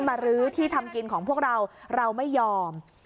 รื้อที่ทำกินของพวกเราเราไม่ยอม